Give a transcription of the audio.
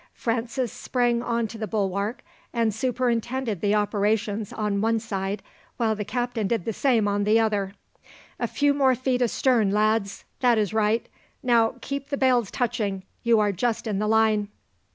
Francis sprang on to the bulwark and superintended the operations on one side, while the captain did the same on the other. "A few feet more astern, lads. That is right. Now, keep the bales touching. You are just in the line."